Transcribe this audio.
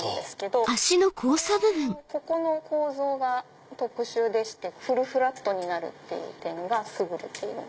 これはここの構造が特殊でしてフルフラットになる点が優れてる。